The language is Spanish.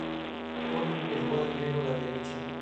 Ponen el cuadro negro a la derecha.